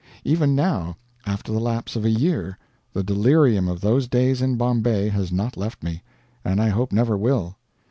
Even now, after the lapse of a year, the delirium of those days in Bombay has not left me, and I hope never will.